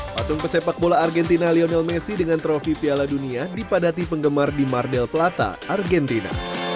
patung pesepak bola argentina lionel messi dengan trofi piala dunia dipadati penggemar di mardel plata argentina